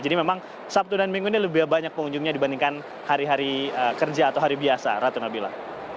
jadi memang sabtu dan minggu ini lebih banyak pengunjungnya dibandingkan hari hari kerja atau hari biasa ratu nabila